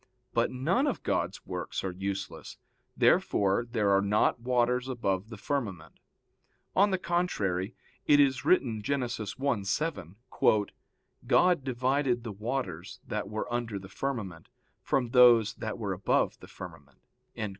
But none of God's works are useless. Therefore there are not waters above the firmament. On the contrary, It is written (Gen. 1:7): "(God) divided the waters that were under the firmament, from those that were above the firmament."